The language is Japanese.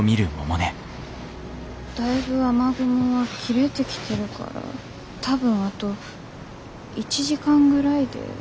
だいぶ雨雲は切れてきてるから多分あと１時間ぐらいでこの雨はやむと思います。